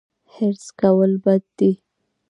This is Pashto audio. حرص کول بد دي